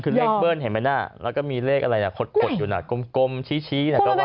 คือเลขเบิ้ลเห็นไหมน่ะแล้วก็มีเลขอะไรนะขดอยู่น่ะกลมชี้